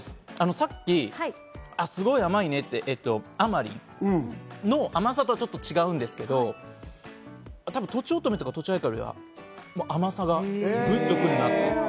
さっき、すごい甘いねって、あまりんの甘さとはちょっと違うんですけど、とちおとめとか、とちあいかよりは、甘さがグッと来るなって。